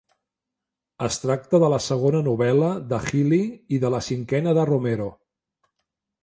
Es tracta de la segona novel·la de Gili i de la cinquena de Romero.